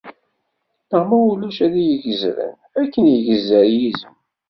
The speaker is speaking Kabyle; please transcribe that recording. Neɣ ma ulac ad iyi-gezren akken igezzer yizem.